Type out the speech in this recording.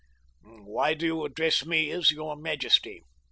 "Why do you address me as 'your majesty'?"